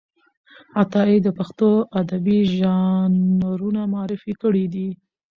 عطايي د پښتو ادبي ژانرونه معرفي کړي دي.